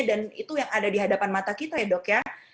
dan itu yang ada di hadapan mata kita ya dok ya